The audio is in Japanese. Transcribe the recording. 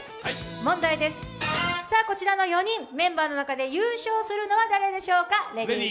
問題です、こちらの４人、メンバーの中で優勝するのは誰でしょうか。